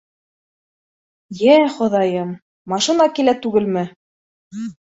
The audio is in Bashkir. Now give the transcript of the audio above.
Йә, Хоҙайым, машина килә түгелме!